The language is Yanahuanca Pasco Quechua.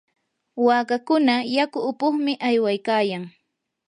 waakakuna yaku upuqmi aywaykayan.